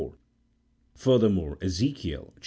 Furthermore, Ezekiel (xiv.